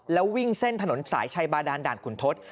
แล้ววิ่งเส้นถนนสายชัยบาดานด่านขุนทศ